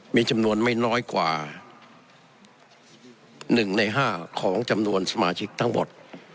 มีจำนวนไม่น้อยกว่า๑ใน๕ของจำนวนสมาชิกทั้งหมด